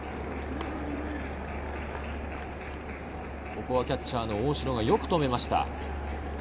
ここはキャッチャーの大城がよく止めました。